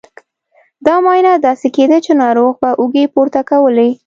دا معاینه داسې کېده چې ناروغ به اوږې پورته کولې.